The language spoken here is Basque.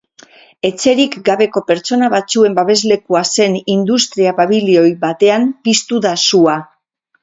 Etxerik gabeko pertsona batzuen babesleku zen industria pabilioi batean piztu da sua.